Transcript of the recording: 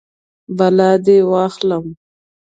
بلا دې واخلم.